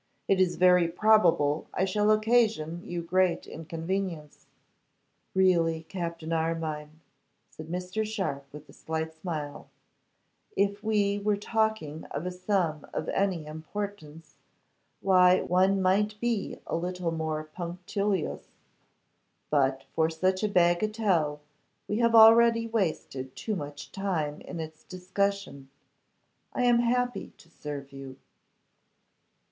It is very probable I shall occasion you great inconvenience.' 'Really, Captain Armine,' said Mr. Sharpe with a slight smile, 'if we were talking of a sum of any importance, why, one might be a little more punctilious, but for such a bagatelle we have already wasted too much time in its discussion. I am happy to serve you.